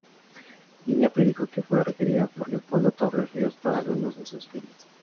Niña prodigio que fue requerida por Leopoldo Torres Ríos para algunos de sus filmes.